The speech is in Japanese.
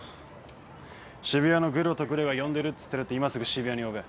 渋谷のグロとグレが呼んでるっつってるって今すぐ渋谷に呼べ。